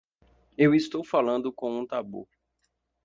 Eu estou falando com um tabu.